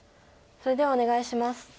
それではお願いします。